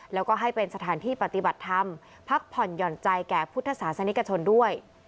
แล้วก็ให้เป็นสถานที่ปฏิบัติธรรมพักผ่อนหย่อนใจแก่พุทธศาสนิกชนด้วย